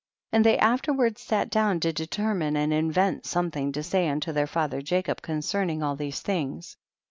9. And they afterward sat down to determine and invent something to say unto their father Jacob concern ing all these things.